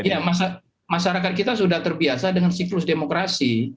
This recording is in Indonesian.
ya masyarakat kita sudah terbiasa dengan siklus demokrasi